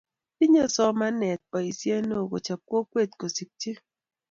tinye somanee boisie neoo kochop kokwe kusikchi